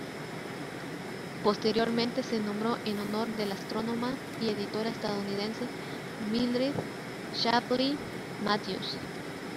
Posteriormente se nombró en honor de la astrónoma y editora estadounidense Mildred Shapley Matthews.